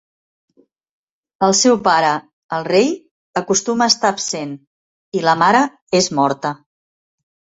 El seu pare, el rei, acostuma a estar absent i la mare és morta.